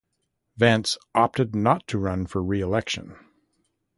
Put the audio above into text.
Vance opted not to run for reelection.